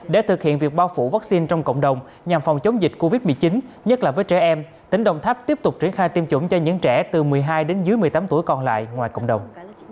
để thực hiện việc bao phủ vaccine trong cộng đồng nhằm phòng chống dịch covid một mươi chín nhất là với trẻ em tỉnh đồng tháp tiếp tục triển khai tiêm chủng cho những trẻ từ một mươi hai đến dưới một mươi tám tuổi còn lại ngoài cộng đồng